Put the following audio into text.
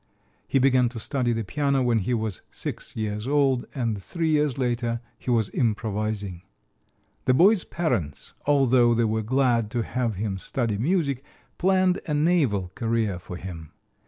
He began to study the piano when he was six years old, and three years later he was improvising. The boy's parents, although they were glad to have him study music, planned a naval career for him.